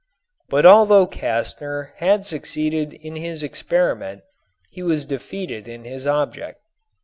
But although Castner had succeeded in his experiment he was defeated in his object.